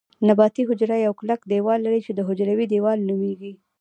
نباتي حجره یو کلک دیوال لري چې حجروي دیوال نومیږي